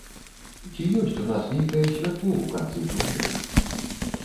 Ці ёсць у нас нейкае святло ў канцы тунелю?